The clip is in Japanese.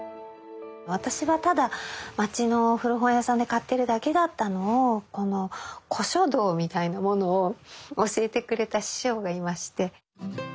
私はただ街の古本屋さんで買っているだけだったのを古書道みたいなものを教えてくれた師匠がいまして。